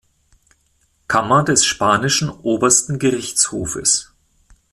Kammer des spanischen Obersten Gerichtshofes.